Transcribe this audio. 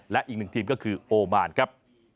และอีกหนึ่งทีมก็คือโอมานครับ